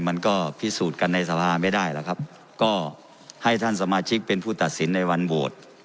มันก็พิสูจน์กันในสภาไม่ได้แล้วครับก็ให้ท่านสมาชิกเป็นผู้ตัดสินในวันโหวต